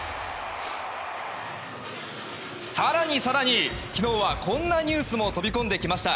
更に更に、昨日はこんなニュースも飛び込んできました。